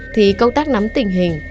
thì công tác nắm tình hình